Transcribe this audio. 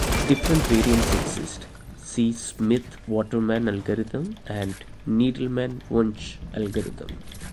Different variants exist, see Smith-Waterman algorithm and Needleman-Wunsch algorithm.